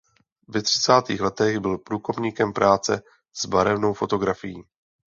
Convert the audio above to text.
Ve třicátých letech byl průkopníkem práce s barevnou fotografií.